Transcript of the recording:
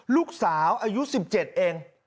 ลูกสาวอายุ๑๗เอง